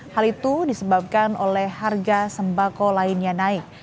hal itu disebabkan oleh harga sembako lainnya naik